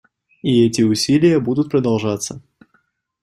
И эти усилия будут продолжаться.